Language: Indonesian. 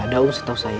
gak ada uh setau saya